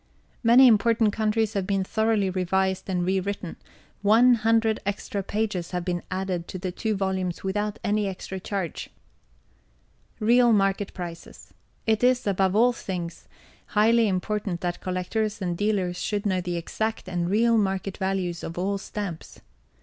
Many important countries have been thoroughly revised and re written. One hundred extra pages have been added to the two volumes without any extra charge. REAL MARKET PRICES. It is, above all things, highly important that Collectors and Dealers should know the exact and real market values of all Stamps.